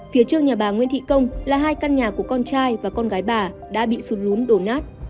phía trước nhà bà nguyễn thị công là hai căn nhà của con trai và con gái bà đã bị sụt lún đổ nát